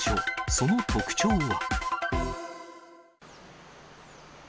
その特徴は？